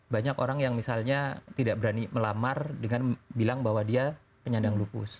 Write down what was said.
banyak orang yang misalnya tidak berani melamar dengan bilang bahwa dia penyandang lupus